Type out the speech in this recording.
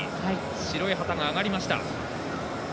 白い旗が上がりました。